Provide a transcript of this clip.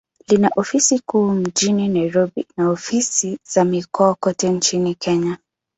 Lina ofisi kuu mjini Nairobi, na ofisi za mikoa kote nchini Kenya.